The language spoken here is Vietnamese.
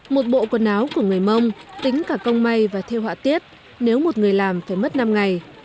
một bộ quần áo của người mông tính cả công may và theo họa tiết nếu một người làm phải mất năm ngày